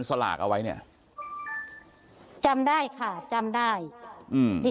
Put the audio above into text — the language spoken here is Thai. ถ้าพี่ถ้าพี่ถ้าพี่ถ้าพี่ถ้าพี่